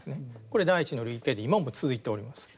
これ第一の類型で今も続いております。